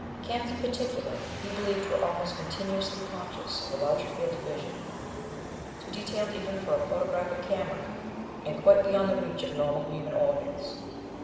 Cats, in particular, he believed, were almost continuously conscious of a larger field of vision, too detailed even for a photographic camera, and quite beyond the reach of normal human organs.